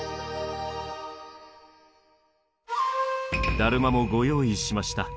ダルマもご用意しました。